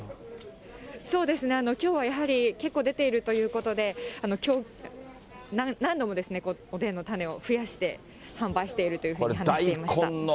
そうですね、きょうはやはり結構出ているということで、きょう何度も、おでんのたねを増やして販売しているというふうに話していました。